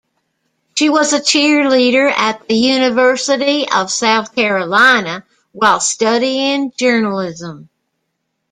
She was a cheerleader at the University of South Carolina while studying journalism.